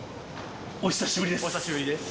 お久しぶりです。